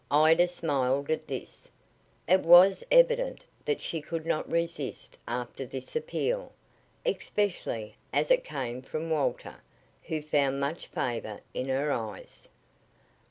Ida smiled at this. It was evident that she could not resist after this appeal especially as it came from Walter, who found much favor in her eyes.